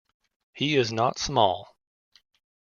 He is not small.